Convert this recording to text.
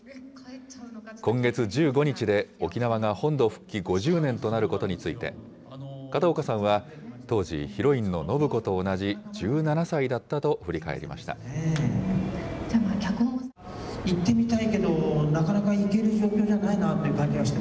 今月１５日で沖縄が本土復帰５０年となることについて、片岡さんは当時、ヒロインの暢子と同じ１７歳だったと振り返りました。